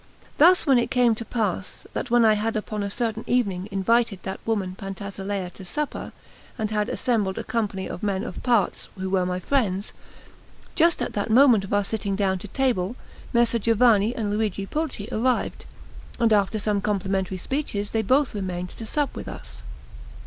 Thus then it came to pass, that when I had upon a certain evening invited that woman Pantasilea to supper, and had assembled a company of men of parts who were my friends, just at the moment of our sitting down to table, Messer Giovanni and Luigi Pulci arrived, and after some complimentary speeches, they both remained to sup with us.